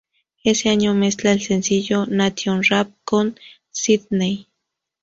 Ese año mezcla el sencillo "Nation Rap" con Sídney.